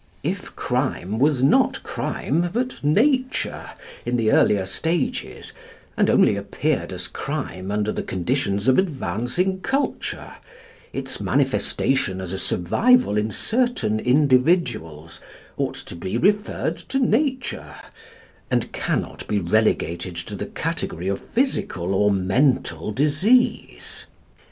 If crime was not crime but nature in the earlier stages, and only appeared as crime under the conditions of advancing culture, its manifestation as a survival in certain individuals ought to be referred to nature, and cannot be relegated to the category of physical or mental disease.